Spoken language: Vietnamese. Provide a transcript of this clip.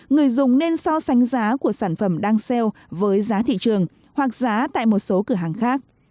người dùng nên so sánh giá của sản phẩm đang xeo với giá thị trường hoặc giá tại một số cửa hàng khác